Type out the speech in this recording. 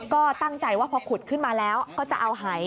ก็ตั้งใจว่าพอขุดขึ้นมาแล้วก็จะเอาหาย